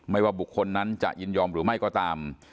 ว่าบุคคลนั้นจะยินยอมหรือไม่ก็ตาม